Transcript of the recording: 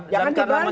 jangan dibilang nih